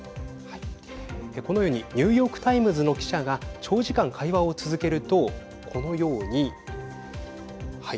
このようにニューヨーク・タイムズの記者が長時間会話を続けるとこのようにはい。